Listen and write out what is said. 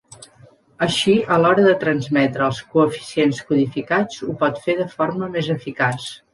Així a l'hora de transmetre els coeficients codificats ho pot fer de forma més eficaç.